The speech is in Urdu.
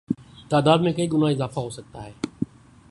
تعداد میں کئی گنا اضافہ ہوسکتا ہے